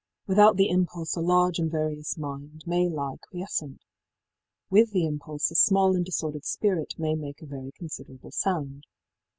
Without the impulse a large and various mind may lie quiescent. With the impulse a small and disordered spirit may make a very considerable sound.